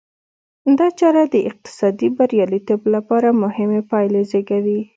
دا چاره د اقتصادي بریالیتوب لپاره مهمې پایلې زېږوي.